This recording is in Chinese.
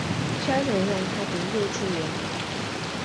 家人让她读幼稚园